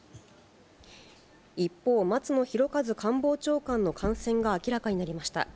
一方、松野博一官房長官の感染が明らかになりました。